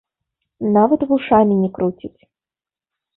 Нават вушамі не круціць.